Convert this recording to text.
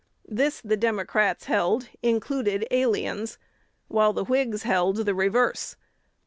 This, the Democrats held, included aliens; while the Whigs held the reverse.